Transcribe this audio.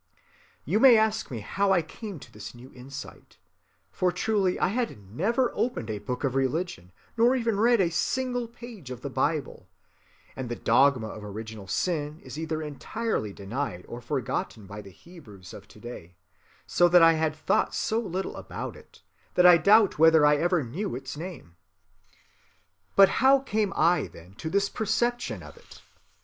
You may ask me how I came to this new insight, for truly I had never opened a book of religion nor even read a single page of the Bible, and the dogma of original sin is either entirely denied or forgotten by the Hebrews of to‐day, so that I had thought so little about it that I doubt whether I ever knew its name. But how came I, then, to this perception of it?